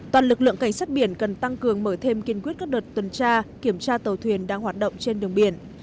toàn lực lượng cảnh sát biển cần tăng cường mở thêm kiên quyết các đợt tuần tra kiểm tra tàu thuyền đang hoạt động trên đường biển